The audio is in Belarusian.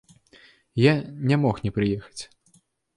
Я не мог не прыехаць.